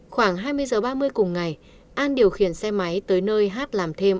khoảng hai mươi h ba mươi cùng ngày an điều khiển xe máy tới nơi hát làm thêm